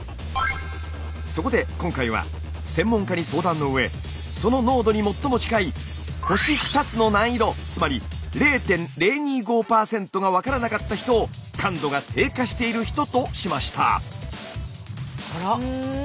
そこで今回は専門家に相談の上その濃度に最も近い星２つの難易度つまり０．０２５％が分からなかった人を感度が低下している人としました。